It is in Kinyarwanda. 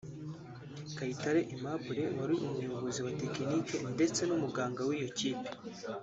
Kayitare Aimable wari umuyobozi wa Tekiniki ndetse n’umuganga w’iyo kipe